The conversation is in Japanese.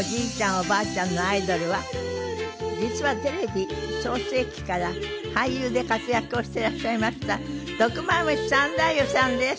おばあちゃんのアイドルは実はテレビ創成期から俳優で活躍をしていらっしゃいました毒蝮三太夫さんです。